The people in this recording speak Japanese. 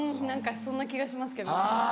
何かそんな気がしますけどね。